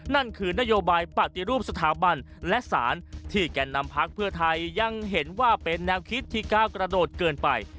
นั่นคือนโยบายปฏิรูปสถาบันและสารที่แก่นำพักเพื่อไทยยังเห็นว่าเป็นแนวคิดที่ก้าวกระโดดเกินไป